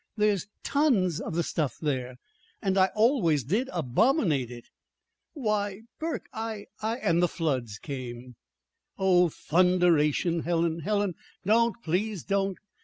"There's tons of the stuff there, and I always did abominate it!" "Why, Burke, I I " And the floods came. "Oh, thunderation! Helen, Helen, don't please don't!"